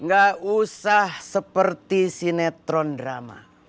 gak usah seperti sinetron drama